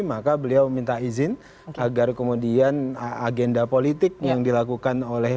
maka beliau meminta izin agar kemudian agenda politik yang dilakukan oleh